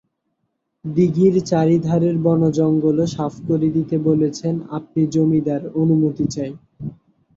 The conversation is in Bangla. দিঘির চারি ধারের বনজঙ্গলও সাফ করে দিতে বলেছেন– আপনি জমিদার, অনুমতি চাই।